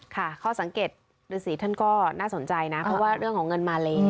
ข้อสังเกตฤษีท่านก็น่าสนใจนะเพราะว่าเรื่องของเงินมาเล